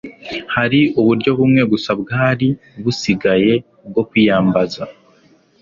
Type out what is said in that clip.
hari uburyo bumwe gusa bwari busigaye bwo kwiyambaza